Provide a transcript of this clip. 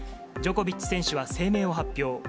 ジョコビッチ選手は声明を発表。